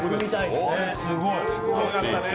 すごい。